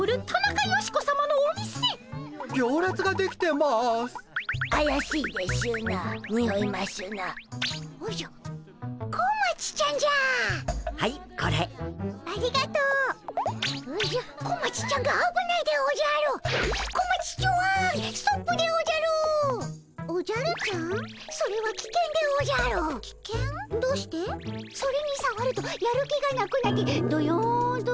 それにさわるとやる気がなくなってどよんとするでおじゃる。